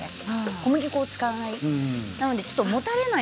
小麦粉を使わない。